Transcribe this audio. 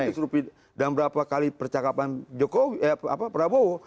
dalam berapa kali percakapan prabowo